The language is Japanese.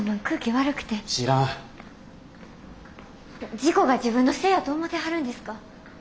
事故が自分のせいやと思てはるんですか？